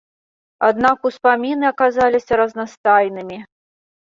Аднак успаміны аказаліся разнастайнымі.